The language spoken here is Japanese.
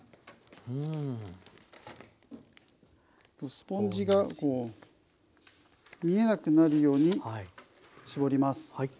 スポンジがこう見えなくなるように絞ります。